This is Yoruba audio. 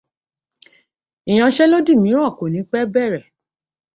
Ìyanṣẹ́lódì míràn kò ní pẹ́ bẹ̀rẹ̀.